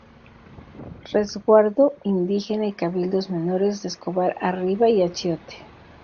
Resguardo Indígena y Cabildos menores de Escobar Arriba y Achiote.